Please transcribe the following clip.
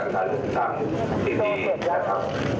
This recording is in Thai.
แต่ไม่ทางที่ดีนะครับ